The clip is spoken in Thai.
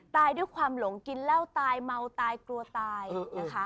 ตายด้วยความหลงกินเหล้าตายเมาตายกลัวตายนะคะ